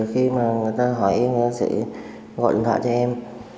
khi mà người ta hỏi em người ta sẽ gọi điện thoại cho em